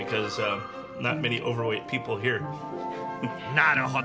なるほど。